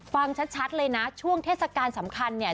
ฟังชัดเลยนะช่วงเทศกาลสำคัญเนี่ย